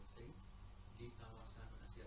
baik terima kasih terima kasih